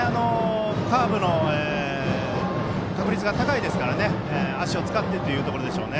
カーブの確率が高いですから足を使ってというところでしょう。